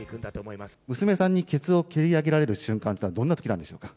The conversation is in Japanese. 娘さんに、ケツを蹴り上げられる瞬間というのは、どんなときなんでしょうか。